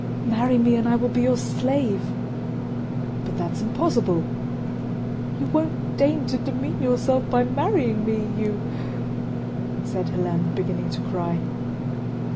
"Marry me, and I will be your slave!" "But that's impossible." "You won't deign to demean yourself by marrying me, you..." said Hélène, beginning to cry.